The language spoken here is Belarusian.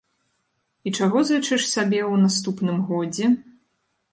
І чаго зычыш сабе ў наступным годзе?